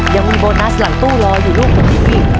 ยังมีโบนัสหลังตู้รออยู่รูปของพี่